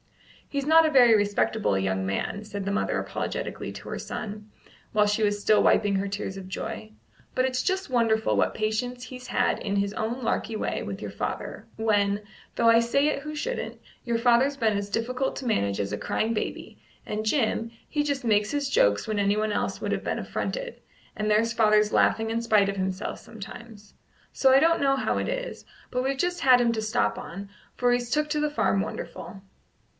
"He's not a very respectable young man," said the mother apologetically to her son, while she was still wiping her tears of joy; "but it's just wonderful what patience he's had in his own larky way with your father, when, though I say it who shouldn't, your father's been as difficult to manage as a crying baby, and Jim, he just makes his jokes when anyone else would have been affronted, and there's father laughing in spite of himself sometimes. So I don't know how it is, but we've just had him to stop on, for he's took to the farm wonderful."